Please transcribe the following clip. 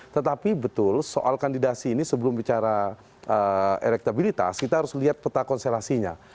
tetapi betul soal kandidasi ini sebelum bicara elektabilitas kita harus lihat peta konstelasinya